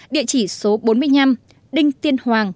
địa chỉ số bốn mươi năm